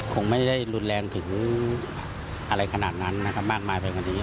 คงไม่ได้รุนแรงถึงอะไรขนาดนั้นนะครับมากมายไปกว่านี้